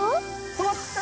止まった！